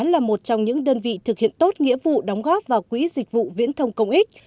là một trong những đơn vị thực hiện tốt nghĩa vụ đóng góp vào quỹ dịch vụ viễn thông công ích